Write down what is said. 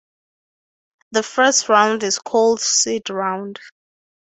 The first round is called seed round.